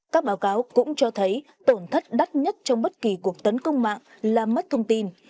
các báo cáo cũng cho thấy tổn thất đắt nhất trong bất kỳ cuộc tấn công mạng là mất thông tin